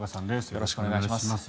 よろしくお願いします。